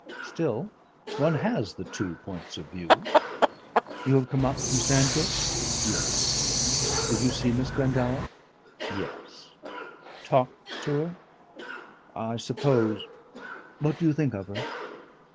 Still one has the two points of view.... You have come up from Sandgate?" "Yes." "Did you see Miss Glendower?" "Yes." "Talked to her?... I suppose What do you think of her?"